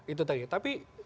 itu tadi tapi